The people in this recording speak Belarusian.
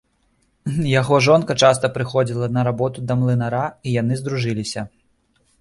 Яго жонка часта прыходзіла на работу да млынара, і яны здружыліся.